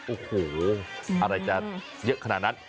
โอ้โหอะไรจะเยอะขนาดนั้น